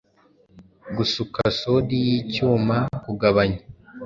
Gusuka sodi y'icyuma; kugabanya